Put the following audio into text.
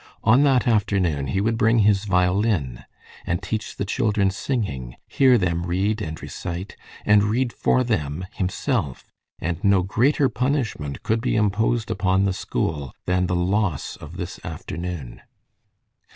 On that afternoon he would bring his violin and teach the children singing, hear them read and recite, and read for them himself; and no greater punishment could be imposed upon the school than the loss of this afternoon.